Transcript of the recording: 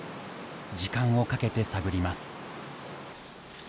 時間をかけて探ります。